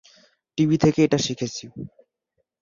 TV থেকে এটা শিখেছি।